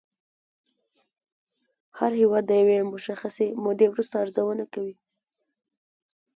هر هېواد د یوې مشخصې مودې وروسته ارزونه کوي